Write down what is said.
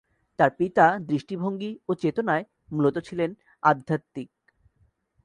তাঁর পিতা দৃষ্টিভঙ্গি ও চেতনায় মূলত ছিলেন আধ্যাত্মিক।